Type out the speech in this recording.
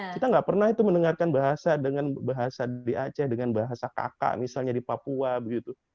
kita nggak pernah itu mendengarkan bahasa dengan bahasa di aceh dengan bahasa kakak misalnya di papua begitu